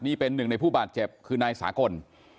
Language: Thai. นี่เป็นหนึ่งในผู้บาดเจ็บคือนายสากล